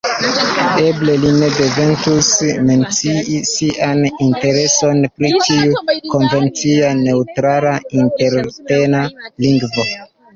Eble li ne devintus mencii sian intereson pri tiu konvencia neŭtrala interetna lingvo.